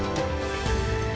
kita sudah berjalan dengan baik